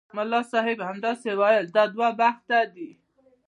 ملا صاحب هم همداسې ویل دا دوه بخته دي.